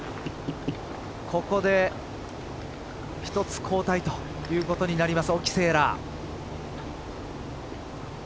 ここで１つ後退ということになります沖せいら。